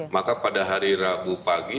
maka pada hari rabu pagi